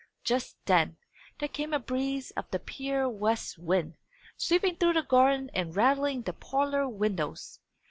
Just then, there came a breeze of the pure west wind, sweeping through the garden and rattling the parlour windows.